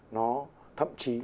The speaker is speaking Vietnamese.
nó thậm chí